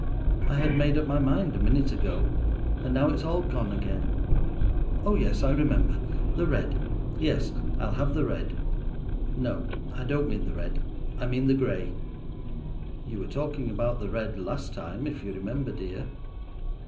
I had made up my mind a minute ago, and now it's all gone again—oh yes, I remember, the red. Yes, I'll have the red. No, I don't mean the red, I mean the grey." "You were talking about the red last time, if you remember, dear."